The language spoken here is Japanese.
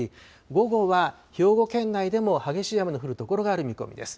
午後は兵庫県内でも激しい雨の降る所がある見込みです。